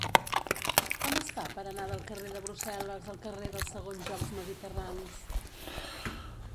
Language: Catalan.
Com es fa per anar del carrer de Brussel·les al carrer dels Segons Jocs Mediterranis?